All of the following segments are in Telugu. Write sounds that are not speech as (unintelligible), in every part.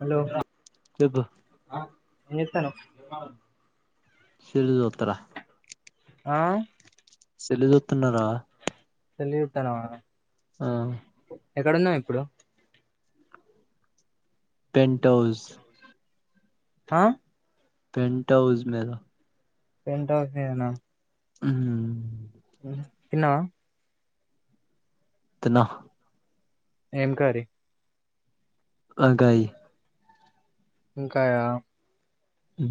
హలో చెప్పు ఆ ఏంజేత్తానవ్? సెల్ జుత్తరా ఆ సెల్ జుత్తున్నరా. తెలి త్తానవా హా ఎక్కడన్నా వె ఇప్పుడు పెంం టౌస్ హ పంట్ హౌజ్ మీద టెంట్ హౌస్ మీదనా ఉహు తెన్నావ తిన్న ఏం కర్రీ లంకా యి ఇంక యా ఉ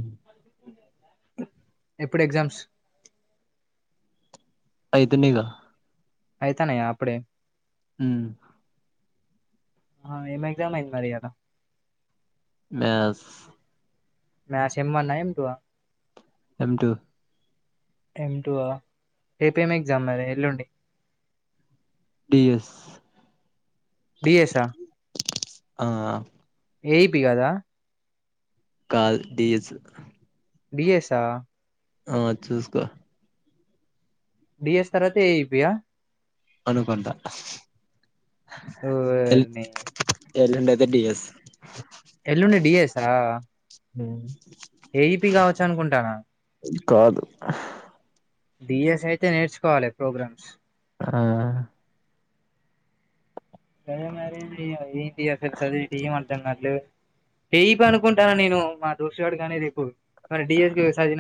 ఎప్పుడు ఎగ్జామ్స్ ఐతు నిగ అయిత నాయ అప్పుడే ఉ ఆ ఎమె క్సామ్ అయింది మరి ఇయాల మ్యాస్ మ్యాస్ ఎమ్ ఒన్నా ఎం టూ ఆ ఎం టూ ఏమ్ టూ ఆ రేపేం ఎగ్జామ్ మరి ఎల్లుండి పి ఎస్ పి ఎస్సా ఆ ఏయిపీ కాద కాదు డి ఎస్ డి ఎస్సా ఆ చూస్కో డిఎస్ తర్వాత ఏపియా అనుకుంట తెల్ ఓర్నీ ఏల్లుండయితే డిఎస్ ఎల్లుండి డిఎస్సా హ ఏయిపీ కావచ్చు అనుకుంటాన కాదు బిఎస్ అయితే నేర్చుకోవాలి ప్రోగ్రామ్స్ ఆ అదే మరి ఫ్ ఎల్స్ అది టీ అంటన్నారు టేపు అనుకుంటాను నేను మా దోష్వాడు కానీ రేపు మరి డఎస్పి సాజ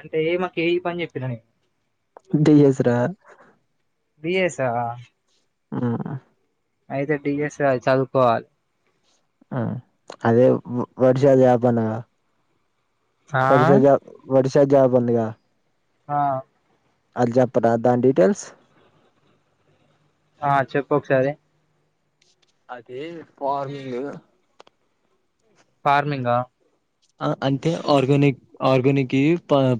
అంటే ఏ పని చెప్పినని ఇంతె జెసరా బిఎస్ ఆ అయితే డిఎస్ చదువుకోవాలి అఅదే వర్షాలువ్యాపనాంగా ఆ ఒడిసా ఒడిసా జబందిగా ఆ అల్జపరా దా డిీటెయిల్స్ ఆ చెప్పోకసారి అదీ ఫార్మింగ్ ఫార్మింగా ఆ అంటే ఆర్గానిక్ ఆర్గానికియి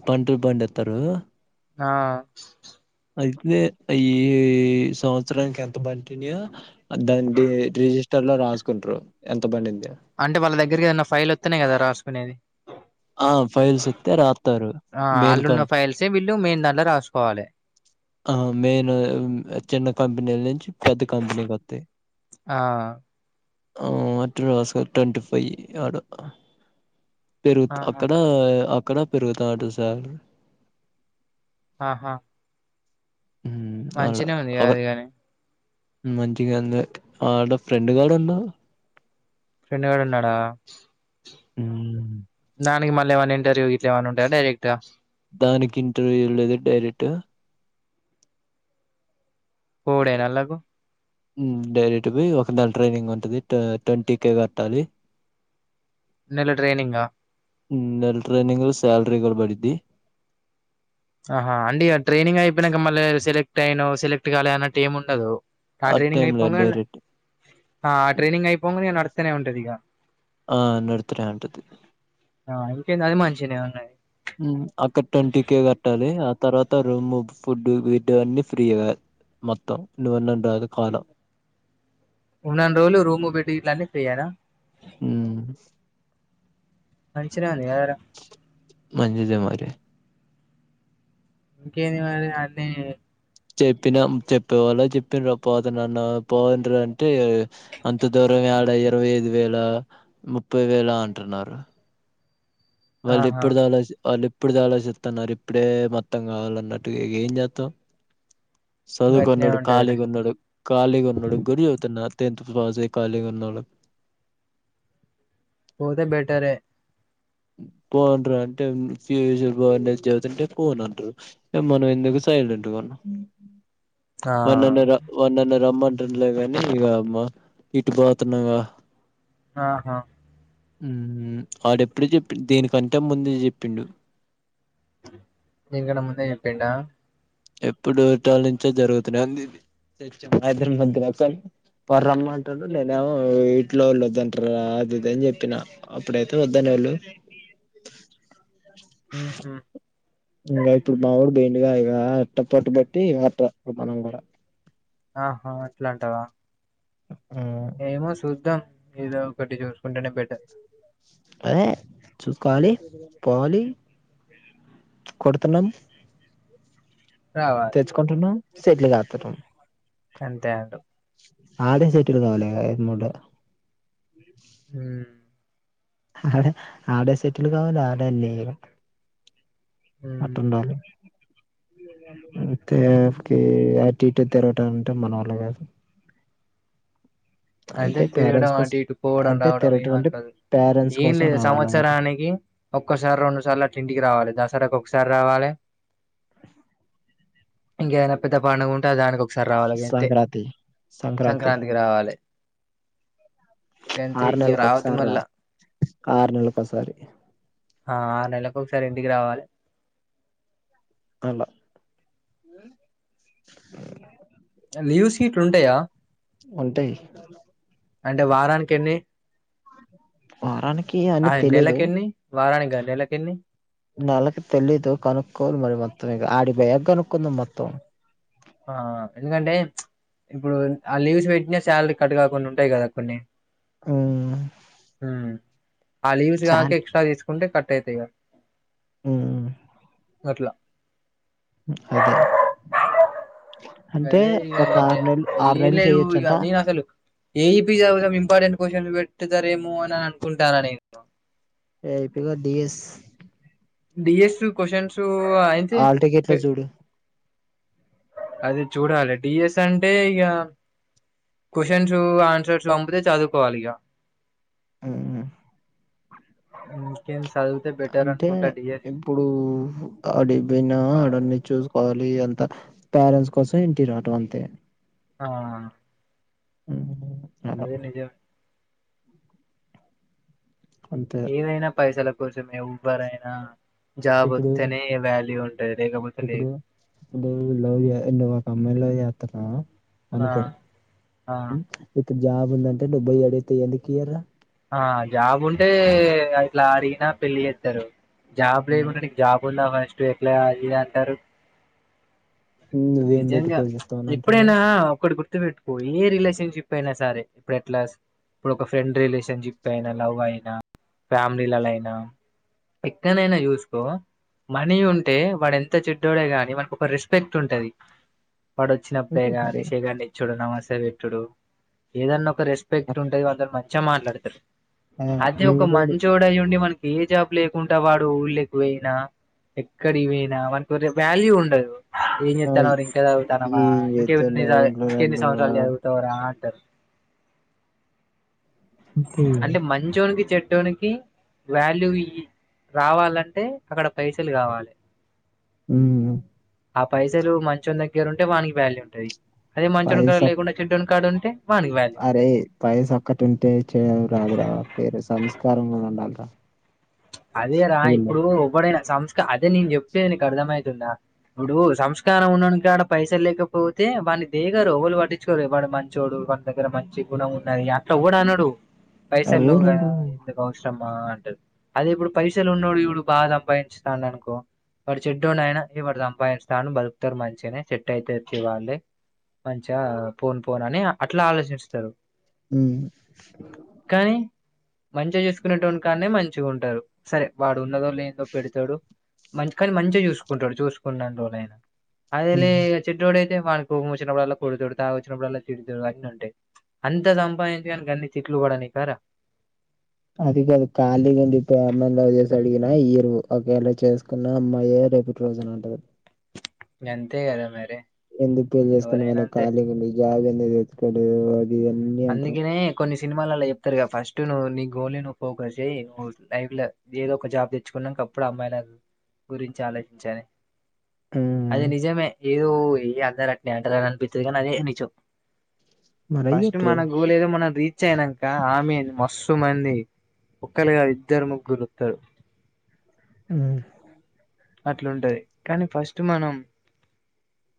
పంటలు పండిత్తరూ ఆ అ ఇట్నే ఈ సంవత్సరానికి ఎంత పంటిన్నయో దాని రిజిస్ట స్టర్ లో రాసుకుంట్రు ఎంత పండింది అంటే వాళ్ళ దగ్గరకి ఏదైనా ఫైల్ ఒత్తెనే గదా రాసుకునేది? ఆ ఫైల్స్ ఒత్తె రాత్తారు ఆ మేన్ అల్లున్న కంప్ ఫైల్సే వీళ్ళు మెయిన్ దాంట్లో రాసుకోవాలి ఆ మేన్ చిన్న కంపెనీల నుంచి పెద్ద కంపెనీకొత్తయ్ ఆ ఆ అట్ట రాసారు ట్వంటీ ఫైవ్ లాగ పెరుగుత్ ఆహా అక్కడ అక్కడ పెరుగుతాంటద్ సార్ ఆహా మంచినే ఉంది కాదు గని మంచిగందే ఆడ ఫ్రెండ్ గాడన్నావ్ ఫ్రెండు గాడున్నడా? ఉమ్ దానికి మళ్ళేమన్న ఇంటర్వూ గిట్ల ఏమన్న ఉంటదా, డైరెక్ట? దానికి ఇంటర్వ్యూ ఏం లేదు డైరెక్ట్ పోవుడేన అల్లకు ఉమ్ డైరెక్ట్ పోయ్ ఒక నెల ట్రైనింగ్ ఉంటది టా ట్వంటీ కేే గట్టాలి నెల ట్రైనింగ? నెల్ ట్రైనింగ్ల సాలరీ కూడ పడిద్ది ఆహా అండిగ ట్రైనింగ్ అయిపోయినంక మళ్ళ సెలెక్ట్ అయినవ్, సెలెక్ట్ కాలేదన్నట్టు ఏం ఉండదు ఆ ట్రైనింగ్ టైమ్‌లో అయిపోంగనె న డైరెక్ట్ ఆ ట్రైనింగ్ అయిపోంగనే ఇగ నడ్తనే ఉంటదిగా ఆ నడుత్తునే ఉంటది ఆ ఇంకేందది మంచిగ్నే ఉన్నది. ఉమ్ అక్కడ ట్వంటీ కే గట్ ట్టాలి ఆ తర్వాత రూమ్, ఫుడ్, బెడ్ అన్ని ఫ్రీగా మొత్తం నువున్నంతర్వత కాలం ఉన్నన్ని రోజులు రూము, బెడ్ గిట్లా అన్ని ఫ్రీయేనా? ఉమ్ మంచిగనే ఉన్ మంచిదే మరి ఇంకేంది మరి అన్ని చెప్పిన చెప్పేవాళ్ళక్ చెప్పిన్ర పోతనన్న పొండ్ర అంటే అంత దూరం యాడ ఇరవై ఐదు వేలా, ముప్పై వేల అంటున్నారు. ఆహా వాళ్ళిప్పడిదే ఆలోచి వాలిప్ ఇప్పడిదె ఆలోచిత్తున్నారు ఇప్పుడే మొత్తం కావాలన్నట్టు ఇగ ఏం చేత్తం గట్నే సదువుకున్నోడు ఉంటదిలే కాలిగున్నోడు, కాలిగున్నోడు గ్గుడ చెబుతున్న టెన్త్ బాజే కాలీగున్నోలక్ పోతే బెటరే పోండ్రా అంటే ఫ్యూచర్ బాగుంటదని చెబుతుంటే పోనన్టున్రు, ఇగ మనమెందుకు సైలెంటుగున్న ఆ వాడ్నన్ను ర వాడ్నన్ను రమ్మన్ టూన్డు లేగనీ ఇగ అమ్మా ఇటు పోతున్నగా ఆహా ఉ ఆడెప్పుడే చెప్పిన్డు దీనికంటే ముందు జెప్పిండు దీని కన్న ముందే జెప్పిండా? ఎప్పుడు టాలనుంచే జరుగుతున్నాయి (unintelligible) వాడు రమంటాడు నినేమో ఇంట్లో వాళ్ళు వద్దంటారు అది ఇది అని చెప్పిన అప్పుడైతే వద్దున్న హలో ఉ హు ఇంకా ఇప్పుడు మావొడు బేండుకాయ ఇగా అట్టు పట్టుబట్టి మనం కూడా. ఆహా అట్లాంటవా ఆ ఏమో చూద్దాం ఏదో ఒకటి జర్ (unintelligible) చూస్కోవాలి పోవాలి కొడుతున్నాం రావాలి తెచ్చుకుంటున్నాం సేట్లుకత్తునం అంతే అంటావ్ ఆడే సెటిల్ కావాలి ఇగ ఈ మూడు ఉ ఆహ ఆడే సెటిల్ కావాల ఆడే నేరు ఉమ్ అట్టుండాలి తెఫ్కి అటు ఇటు తిరగటం అంటే మనవల్ల కాదు (inaudible) అంటే తిరగడం పేరెంట్స్ కోసం ఆటు ఇటు పోవడం అంటే రావడం తిరగటం అంటే ఎమండదు. పేరెంట్స్ ఏం కోసం లేదు రావాలని ఒకటి సంవత్సరానికి ఒక్కసారి రెండుసార్లు అట్లా ఇంటికి రావాలి దసరాకి ఒకసా సారి రావాలే ఇంక ఏదైనా పెద్ద పండుగ ఉంటే దానికి ఒక్ ఒకసారి రావాలి అంతే సంక్రాంతి సంక్రాంతి సంక్రాంతికి రావాలి గంతే ఆరు ఇగ రావద్దు నెలకొకసారి రా మళ్ళా ఆరు నెలకొసారి ఆ ఆరు నెలలకు ఒకసారి ఇంటికి రావాలి అలా లీవ్స్ ఇట్లా ఉంటాయా ఉంటాయ్ అంటే వారానికి ఎన్ని వారనికి ఆయ్ నెలకి ఎన్ని వారానికి గాదు నెలకి ఎన్ని నెలకి తెలీదు కనుక్కోవాలి మరి మొత్తం ఇక ఆడికి పొయాక కనుక్కుందాం మొత్తం. ఆ ఎందుకంటే చ్ ఇప్పుడు ఆ లీవ్స్ పెట్టినా శాలరీ కట్ కాకుండా ఉంటాయి కదా కొన్ని. ఉమ్, ఉ ఆ లీవ్స్ కాక సాల్ ఎక్స్ట్రా తీసుకుంటే కట్ టైతయిగా ఊ గట్లా అదే అంటే గదే ఇగ ఒక ఆరు నెల్లు ఆరు ఏం నెలలు లేవు ఇగ చెయొచ్చంట నేను అసలు ఏఈపీ చదువుందాం ఇంపార్టెంట్ క్వశ్చన్ పెట్టుతారేమో అని అనుకుంటానను నేను. డైరెక్ట్ గా డిఎస్ డిఎస్ క్వషన్సు అయితే ఆల్ టికెట్లో చూడు అది చూడాలి డిఎస్ అంటే ఇగ క్వశ్చన్సు ఆన్సర్సు అమ్మితే చదువుకోవాలి ఇగా ఉ ఇంకెల్స్ అంటే ఇప్పుడు అడికి పోయిన అడన్ని చూసుకోవాలి అంత. పేరెంట్స్ కోసం ఇంటి రావటం అంతే ఆ ఉ ఊ అది నిజమే అంతే ఏవైనా పైసల కోసమే ఎవ్వరైనా జాబ్ ఇప్పుడు వస్తేనే వాల్యూ ఉంటుంది ఇప్పుడు నువ్వు లవ్ చే నువ్వు ఒక అమ్మాయి నీ లవ్ చేతన్నావ్ ఆ అనుకో ఆ ఉ ఇప్పుడు జాబ్ ఉందంటే నువ్ పోయి అడిగితే ఎందు ఇయరా ఆ జాబ్ ఉంటే అట్లా అడిగినా పెళ్ళి చేస్తారు జాబ్ ఉమ్, లేకుండాకు జాబ్ ఉంద ఫస్ట్ ఎట్లా అది అంటారు నువ్వేం పెట్టి నిజంగా పోషిస్తావ్ అని అంటారు ఎప్పుడైనా ఒకటి గుర్ పెట్టుకో ఏ రిలేషన్షిప్ అయినా సరే ఇప్పు ఎట్ ఇప్పుడు ఒక ఫ్రెండ్ రిలేషన్ సన్జిప్ప అయినా లవ్ అయినా ఫ్యామిలీలలో అయినా ఎక్కనైనా చూసుకో మనీ ఉంటే వాడు ఎంత చెడ్డోడే గాని మనకు ఒక రెస్పెక్ట్ ఉంటది ప్పుడు వచ్చినప్పుడే అంతే గా మరి నిషేగా నిచ్చుడు నమసా పెట్టుడు ఏదన్నా రెస్పెక్ట్ ఉంటది అందలో మంచిగా మాట్లాడుతారు ఆ అదే ఒక నువ్వు కూడా మంచి జోడయ ఉండి మనకి ఏ జాబ్ లేకుంటడా వాడు ఊళ్ళ ఎకు పోయినా ఎక్కడ ఇ పోనా మనకు వాల్యూ ఉండదు ఏం ఆ చెత్తావ ఇంకదా ఉఊతావ ఏం ఇంకె చేస్తున్నావ్ ఇంట్లోనే ఇంకెన్ని సంవత్సరాాల ఉంటున్నావా అ ఉతవరా అంటారు అంతే అంటే మంచోనికి చెట్టు టోనికి వాల్యూ రావాలంటే అక్కడ పైసలు కావాలి ఉమ్ ఆ పైసలు మంచ దగ్గర ఉంటే వానికి వ్యాల్యూ ఉంటది అదే మంచోని కాడ పైసా లేకుండా చెడ్డోడి కాడ ఉంటే వానికి వాల్యూ అరే ఉంటది పైస అక్కటి ఉంటే చేయవు రాదురా పేరు సంస్కారం అంతా అదే రా ఇప్పుడు ఒబ్బడైనా సంస్క అదే నేను చెప్తే నకు అర్థమయితుంద ఇప్పుడు సంస్కారం ఉండనికిడ పైస లేకపోతే అద వాని దేగరువలు పట్టించుకోరు ఇ వాడు మంచిోడు వాని దగ్గర మంచి గుణం ఉన్నది అట్లా కూడా అనడు పైసలుగా అవునండ్రు ఎందుకు అవసరమా అంటారు అదే ఇప్పుడు పైసలు ఉన్నాడు ఇప్పుడు బాగా సంపాదించుతాడు అనుకో వాటి చెట్ో అయినా ఇడు సంపాదన స్థానం బతుకుతారు మంచిగానే చెట్ అయితే ఇవ్వాలి మంచిగా పోన్ పోన్ అని అట్లా ఆలోచిస్తారు అ కానీ మంచిగా చేసుకునేటువంటి కానే మంచిగా ఉంటారు సరే వాడు ఉన్నదో లేనిదో పెడతాడు మంచి కానీ మంచిగా చూసుకుంటాడు చూసుకుంటని రోజుయిన అదే ఉమ్. చెడ్ోడయి అ మన వచ్చినప్పుడుల్లా కుడు తొడుతా వచ్చినప్పుడుల్లా తిడి తడు అన్న అంటే అంతా సంపాదించగానుక అన్నిీ చెట్లు కూడా నీ కారా అది కాదు ఖాళీగా ఉంది ప్రేమలో వ చేసి అడిగినా ఇరువు ఒకవేళ చేసుకున్న అ మయ అైబట్టి రోజన అంట వెంత కద మేర ఎందుకు పెళ్లిి చేసుకున్నామనా ఖాీ లేండి జాగ ఎందు ఎతుకోడదు అది ఇవన్నీ అంటారు సినిమాాలలో చెప్తారు ఫస్ట్టువ్ నీ గోల్ ను్ ఫోకస్ చేయ్ లైఫ్ లో ఏదో ఒక జాబ్ తెచ్చుకున్నా ఒకప్పుడు అమ్మాయి నా గురించి ఆలోచించి ఉమ్, అదే నిజమే ఏదో ఏ అందర అట్ని అంటని అనిపితుంది కానీ అదే నిజం మరి ఈ్య ఫస్ట్ మన గోల్ ఏదో మనం రీచ్ అయినాక ఆమెీ మొస్సు మంది ఒకరిగా విద్దర్మ గురుతాడు అ అట్లుంటది కానీ ఫస్ట్ మనం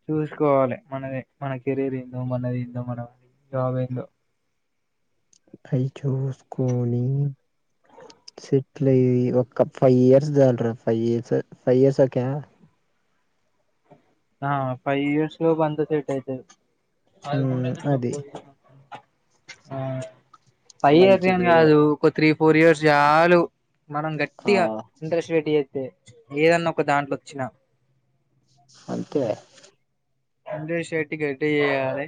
చూసుకోవాలి మనది మన కెరీర్ ఏందో మనది ఏందో మన జాబ్ ఏందో పై చూసుకొని సెట్లయ ఒక ఫైవ్ ఇయర్స్ చాలరా ఫైవ్ ఇయర్స్ ఫైవ్ ఇయర్స్ ఒకకే ఆ ఫైవ్ ఇయర్స్ బంద సట్ైతే అదికంట ఉమ్, అది పో పై ఇర్స్ అని మంచిగా కాదు ఒక త్రీ ఫోర్ ఇయర్స్ చాలు మనం ఆ గట్టిగా ఇంట్రెస్ట్ పెట్టి చేస్తే ఏదన్న ఒక దాంట్లో వచ్చినా అంతే (unintelligible) చేయాలి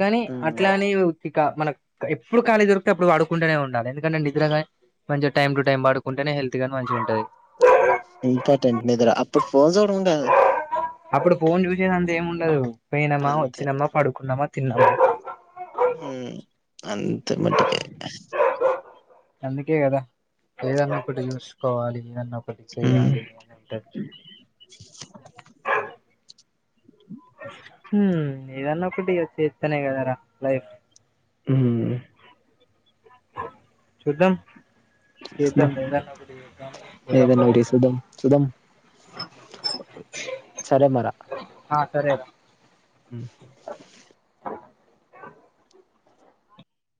కానీ హ్మ్. అట్లానే ఇక మన ఎప్పుడు ఖాళీ దొరికితే అప్పుడు పడుకుంటూనే ఉండాలి ఎందుకంటేే నిద్రగా మంచిగా టైమ్ టు టైమ్ ఆడుకుంటేనే హెల్తీ గా మంచిగా ఉంటది ఇంపార్టెంట్ నిద్ర అప్పుడు ఫోన్ చూడం (unintelligible) అప్పుడు ఫోన్ చూసేది అంత ఏం ఉండదు పోయినమ్మా అంతే. వచ్చినమ్మా పడుకున్నామా తిన్నామా హు అంత మటికే అందుకే కదా ఏదన్న ఒకటి చూసుకోవాలి హ్మ్. (unintelligible) (unintelligible) హు ఎదన్న ఒకటి చితనే గధరా లైఫ్ ఉ చూద్దాం చూద్దాం (inaudible) ఏదన్నొకటి చూద్దాం. చూద్దాం. సరే మరా సరేదా